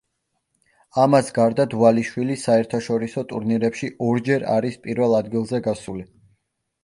ამას გარდა, დვალიშვილი საერთაშორისო ტურნირებში ორჯერ არის პირველ ადგილზე გასული.